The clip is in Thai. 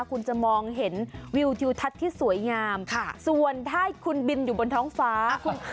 คุณจะมองเห็นวิวทิวทัศน์ที่สวยงามส่วนถ้าคุณบินอยู่บนท้องฟ้าคุณ